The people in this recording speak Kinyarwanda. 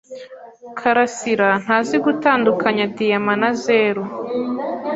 karasira ntazi gutandukanya diyama na zeru.